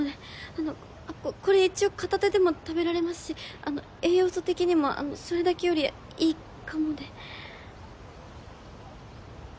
あのこれ一応片手でも食べられますしあの栄養素的にもあのそれだけよりはいいかもで。